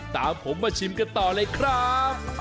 ตามผมมาชิมกันต่อเลยครับ